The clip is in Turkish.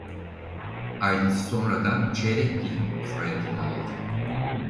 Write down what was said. Ailesi sonradan "Çeyrekgil" soyadını aldı.